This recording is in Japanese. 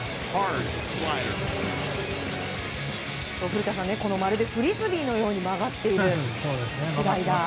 古田さん、まるでフリスビーのように曲がるスライダー。